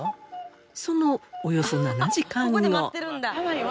そのおよそ７時間後。